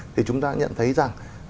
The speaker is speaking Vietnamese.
thì chúng ta nhận thấy rằng